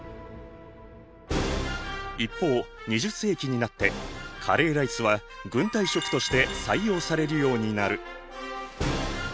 一方２０世紀になってカレーライスは軍隊食として採用されるようになる。